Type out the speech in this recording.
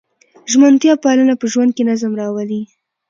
ژمنتیا پالنه په ژوند کې نظم راولي.